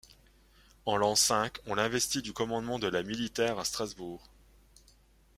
En l’an V, on l’investit du commandement de la militaire à Strasbourg.